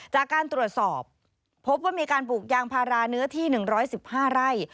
จากการตรวจสอบพบว่ามีการปลูกยางพาราเนื้อที่๑๑๕ไร่